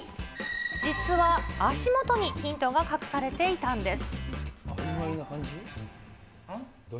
実は足元にヒントが隠されていたんです。